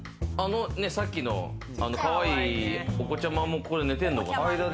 さっきのかわいいお子ちゃまもここで寝てるのかな？